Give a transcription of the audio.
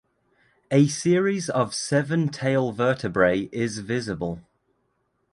A series of seven tail vertebrae is visible.